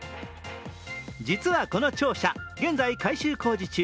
実はこの庁舎、現在改修工事中。